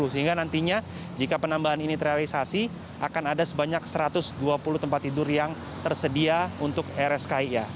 sehingga nantinya jika penambahan ini terrealisasi akan ada sebanyak satu ratus dua puluh tempat tidur yang tersedia untuk rskia